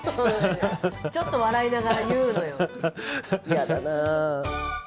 嫌だな。